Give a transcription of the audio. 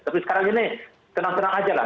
tapi sekarang ini tenang tenang aja lah